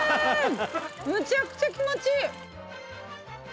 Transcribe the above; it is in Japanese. むちゃくちゃ気持ちいい！